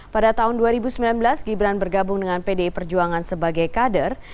pada tahun dua ribu sembilan belas gibran bergabung dengan pdi perjuangan sebagai kader